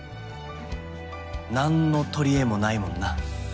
何の取り柄もないもんな。